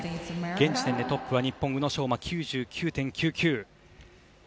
現時点でトップは日本の宇野昌磨、９９．９９。